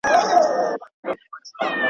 او يوه ورځ د بېګانه وو په حجره کي چېرته.